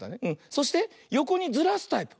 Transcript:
そしてよこにずらすタイプ。